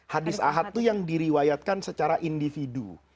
hadis ahad itu yang diriwayatkan secara individu